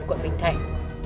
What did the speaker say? quận bình thạnh